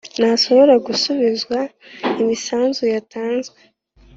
ntasobora gusubizwa imisanzu yatanze